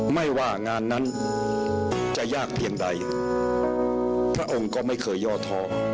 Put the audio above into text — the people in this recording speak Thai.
ไม่ว่างานนั้นจะยากเพียงใดพระองค์ก็ไม่เคยย่อท้อ